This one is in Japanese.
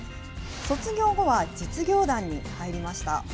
卒業後は実業団に入りました。